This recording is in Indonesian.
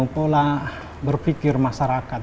pola berpikir masyarakat